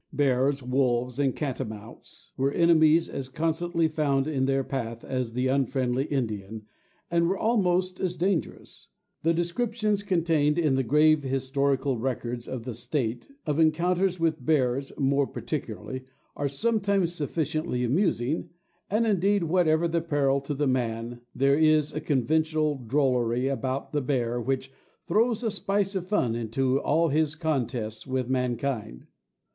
Bears, wolves, and catamounts, were enemies as constantly found in their path as the unfriendly Indian, and were almost as dangerous. The descriptions contained in the grave historical records of the State, of encounters, with bears more particularly, are sometimes sufficiently amusing; and, indeed, whatever the peril to the man, there is a conventional drollery about the bear which throws a spice of fun into all his contests with mankind.